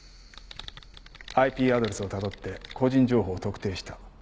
ＩＰアドレスをたどって個人情報を特定した。